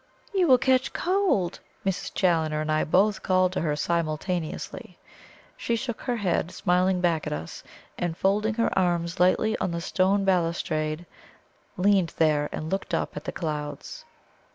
"You will catch cold!" Mrs. Challoner and I both called to her simultaneously. She shook her head, smiling back at us; and folding her arms lightly on the stone balustrade, leaned there and looked up at the clouds.